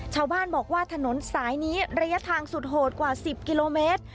ชาวบ้านบอกว่าถนนสายนี้ระยะทางสุดโหดกว่า๑๐กิโลเมตร